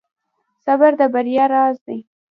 • صبر د بریا راز دی.